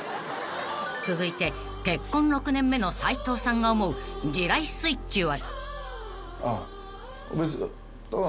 ［続いて結婚６年目の斉藤さんが思う地雷スイッチは？］